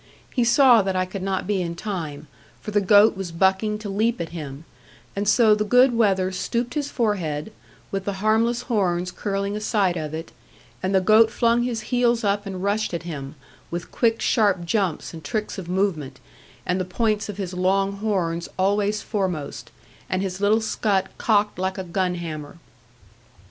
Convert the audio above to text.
He saw that I could not be in time, for the goat was bucking to leap at him, and so the good wether stooped his forehead, with the harmless horns curling aside of it; and the goat flung his heels up, and rushed at him, with quick sharp jumps and tricks of movement, and the points of his long horns always foremost, and his little scut cocked like a gun hammer.